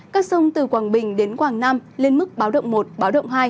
các sông từ quảng bình đến quảng nam lên mức báo động một báo động hai